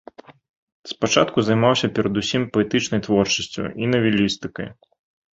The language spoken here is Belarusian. Спачатку займаўся перадусім паэтычнай творчасцю і навелістыкай.